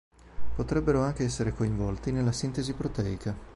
Potrebbero anche essere coinvolti nella sintesi proteica.